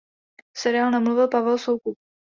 Seriál namluvil Pavel Soukup.